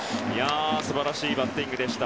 素晴らしいバッティングでした。